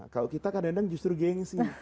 kalau kita kadang kadang justru geng sih